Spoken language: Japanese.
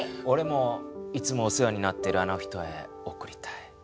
おれもいつもお世話になってるあの人へおくりたい。